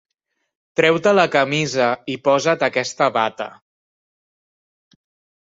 Treu-te la camisa i posa't aquesta bata.